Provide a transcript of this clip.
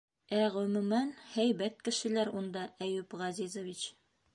Ә, ғөмүмән, һәйбәт кешеләр унда, Әйүп Ғәзизович...